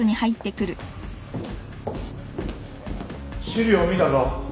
資料見たぞ。